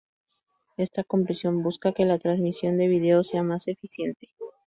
Esta compresión busca que la transmisión de video sea más eficiente.